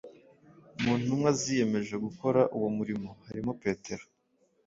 Mu ntumwa ziyemeje gukora uwo murimo harimo Petero,